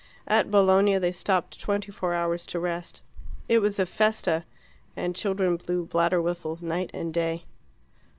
At Bologna they stopped twenty four hours to rest. It was a FESTA, and children blew bladder whistles night and day.